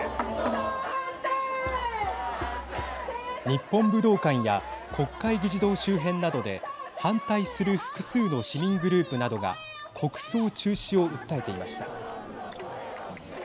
日本武道館や国会議事堂周辺などで反対する複数の市民グループなどが国葬中止を訴えていました。